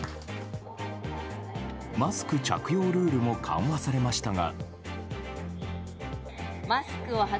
マスク着用ルールも緩和されましたが。